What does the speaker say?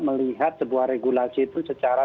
melihat sebuah regulasi itu secara